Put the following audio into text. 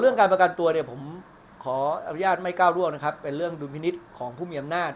เรื่องการประกันตัวผมขออนุญาตไม่ก้าวร่วงนะครับเป็นเรื่องดุมินิตของผู้มีอำนาจ